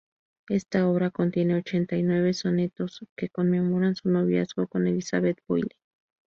Esta obra contiene ochenta y nueve sonetos que conmemoran su noviazgo con Elizabeth Boyle.